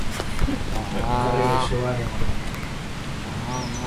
Nunca regresó a Alemania.